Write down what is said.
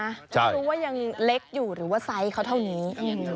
ไม่รู้ว่ายังเล็กอยู่หรือว่าไซส์เขาเท่านี้